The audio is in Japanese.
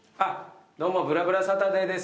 どうも『ぶらぶらサタデー』です。